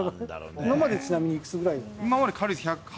今までちなみにいくつぐらいの？